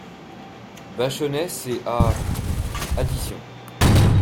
Vachonnet Ses a … additions !